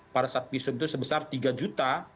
pada saat visum itu sebesar tiga juta